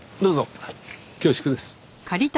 恐縮です。